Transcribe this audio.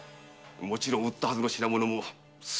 もちろん売ったはずの品物もすべて一緒に。